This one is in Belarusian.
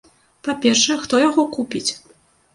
Па-першае, хто яго купіць?